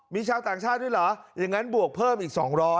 มีชาวต่างชาติด้วยเหรออย่างนั้นบวกเพิ่มอีก๒๐๐